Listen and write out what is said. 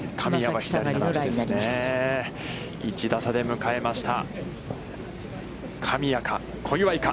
１打差で迎えました。